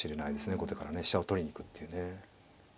後手からね飛車を取りに行くっていうね。